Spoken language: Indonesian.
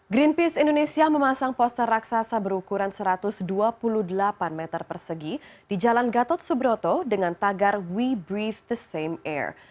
greenpeace indonesia memasang poster raksasa berukuran satu ratus dua puluh delapan meter persegi di jalan gatot subroto dengan tagar we brief the same air